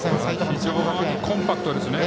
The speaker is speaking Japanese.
非常にコンパクトですね。